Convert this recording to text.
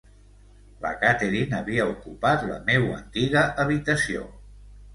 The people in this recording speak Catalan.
La Catherine havia ocupat la meua antiga habitació.